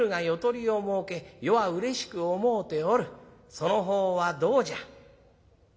その方はどうじゃ？